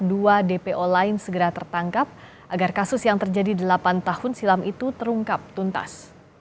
dua dpo lain segera tertangkap agar kasus yang terjadi delapan tahun silam itu terungkap tuntas